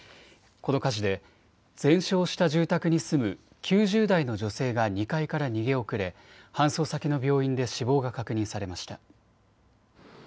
この火事で全焼した住宅に住む９０代の女性が２階から逃げ遅れ搬送先の病院で死亡が確認されました。